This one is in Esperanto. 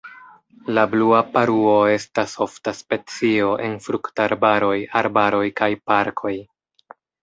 La blua paruo estas ofta specio en fruktarbaroj, arbaroj kaj parkoj.